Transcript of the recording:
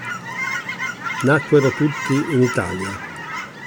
Nacquero tutti in Italia.